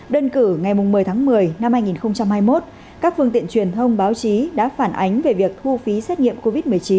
đơn cử ngày một mươi tháng một mươi năm hai nghìn hai mươi một các phương tiện truyền thông báo chí đã phản ánh về việc thu phí xét nghiệm covid một mươi chín